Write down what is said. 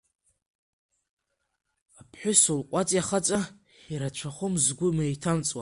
Аԥҳәыс улҟәаҵи ахаҵа, ирацәахом згәы меиҭаҵуа!